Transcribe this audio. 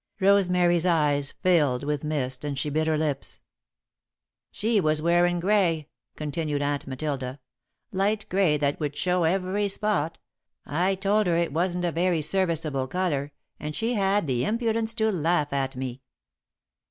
Rosemary's eyes filled with mist and she bit her lips. "She was wearin' grey," continued Aunt Matilda; "light grey that would show every spot. I told her it wasn't a very serviceable colour and she had the impudence to laugh at me.